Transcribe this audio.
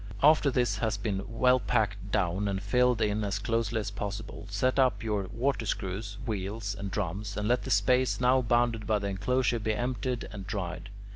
After this has been well packed down and filled in as closely as possible, set up your water screws, wheels, and drums, and let the space now bounded by the enclosure be emptied and dried.